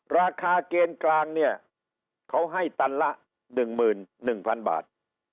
ราคาเกณฑ์กลางเนี่ยเขาให้ตันละ๑๑๐๐๐บาท